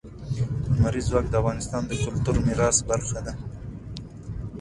لمریز ځواک د افغانستان د کلتوري میراث برخه ده.